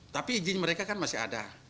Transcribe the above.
tapi izin mereka kan masih ada